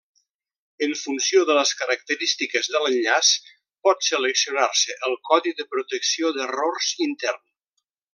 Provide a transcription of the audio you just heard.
En funció de les característiques de l'enllaç pot seleccionar-se el codi de protecció d'errors intern.